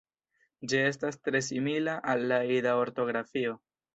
Ĝi estas tre simila al la Ida ortografio.